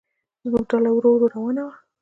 زموږ ډله ورو ورو روانه وه.